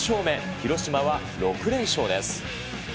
広島は６連勝です。